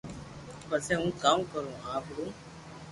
پسي ھون ڪاو ڪرو آپ رون